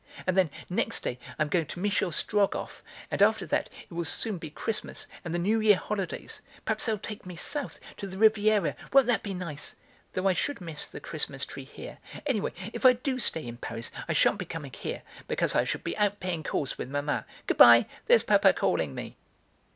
and then, next day, I'm going to Michel Strogoff, and after that it will soon be Christmas, and the New Year holidays! Perhaps they'll take me south, to the Riviera; won't that be nice? Though I should miss the Christmas tree here; anyhow, if I do stay in Paris, I sha'n't be coming here, because I shall be out paying calls with Mamma. Good bye there's Papa calling me."